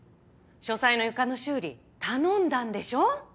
書斎の床の修理頼んだんでしょ？